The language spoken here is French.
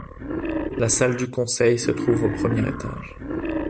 La salle du conseil se trouve au premier étage.